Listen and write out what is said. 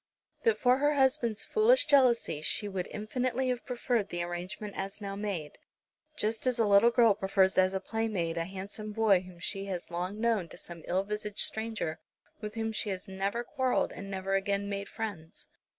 But for her husband's foolish jealousy she would infinitely have preferred the arrangement as now made, just as a little girl prefers as a playmate a handsome boy whom she has long known, to some ill visaged stranger with whom she has never quarrelled and never again made friends.